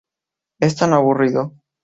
Es tan aburrido".